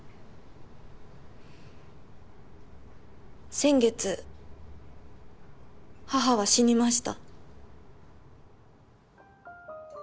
先月母は死にました。